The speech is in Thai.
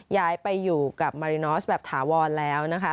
ย้ายไปอยู่กับมารินอสแบบถาวรแล้วนะคะ